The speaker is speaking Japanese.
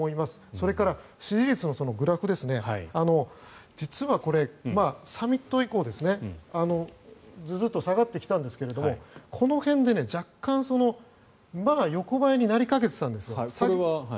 それから、支持率のグラフ実はこれ、サミット以降ズズッと下がってきたんですがこの辺で若干横ばいになりかけてたんですよ。